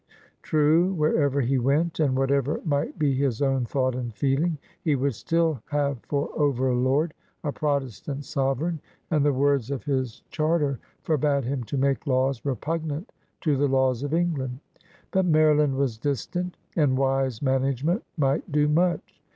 True, wherever he went and whatever might be his own thought and feeling, he would still have for overlord a Protestant sovereign, and the words of his charter forbade him to make laws repugnant to the laws of England. But Maryland was distant, and wise management might do much.